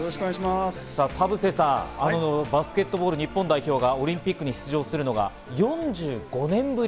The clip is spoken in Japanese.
田臥さん、バスケットボール日本代表がオリンピックに出場するのが４５年ぶり。